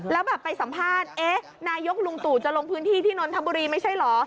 แล้วไปสัมภาษณ์นายกลูงตู่จะลงพื้นที่นทบุรีไม่ใช่เหรอ